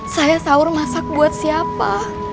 saya sahur masak buat siapa